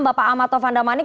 bapak amatov andamanik